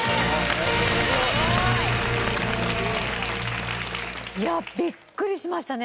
すごい！いやビックリしましたね！